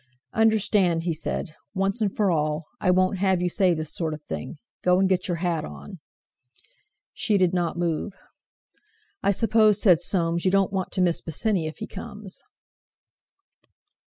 "Understand," he said, "once and for all, I won't have you say this sort of thing. Go and get your hat on!" She did not move. "I suppose," said Soames, "you don't want to miss Bosinney if he comes!"